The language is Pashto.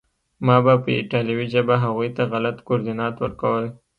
ما به په ایټالوي ژبه هغوی ته غلط کوردینات ورکول